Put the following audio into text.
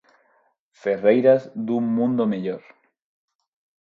Ferreiras dun mundo mellor.